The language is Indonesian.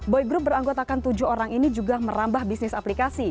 boy group beranggotakan tujuh orang ini juga merambah bisnis aplikasi